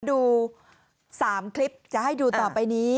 ดู๓คลิปจะให้ดูต่อไปนี้